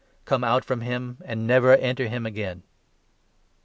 Come out from him and never enter him again."